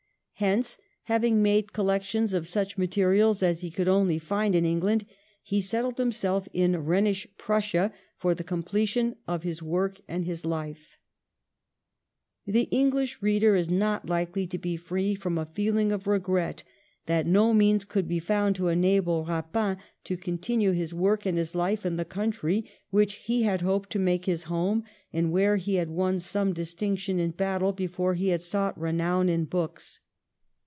Hence, having made collections of such materials as he could only find in England, he settled himself in Ehenish Prussia for the completion of his work and his life,' The English reader is not Ukely to be free from a feeling of regret that no means could be found to enable Eapin to continue his work and his hfe in the country which he had hoped to make his home, and where he had won some distinction in battle before he had sought renown in books.